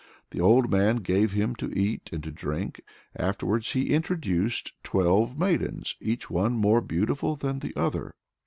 The old man gave him to eat and to drink. Afterwards he introduced twelve maidens, each one more beautiful than the other.